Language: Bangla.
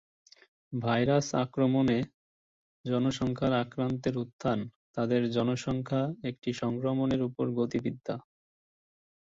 ভাইরাস আক্রমণে জনসংখ্যার আক্রান্তের উত্থান তাদের জনসংখ্যা একটি সংক্রমণের উপর গতিবিদ্যা।